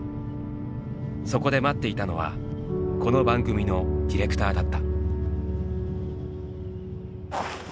そこで待っていたのはこの番組のディレクターだった。